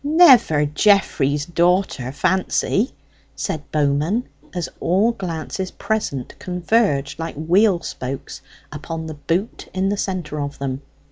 "Never Geoffrey's daughter Fancy?" said Bowman, as all glances present converged like wheel spokes upon the boot in the centre of them.